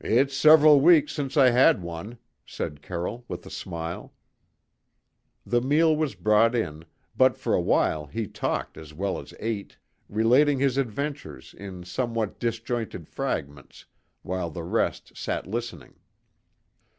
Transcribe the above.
"It's several weeks since I had one," said Carroll with a smile. The meal was brought in, but for a while he talked as well as ate; relating his adventures in somewhat disjointed fragments, while the rest sat listening.